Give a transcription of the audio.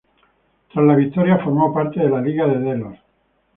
Tras la victoria, formó parte de la Liga de Delos.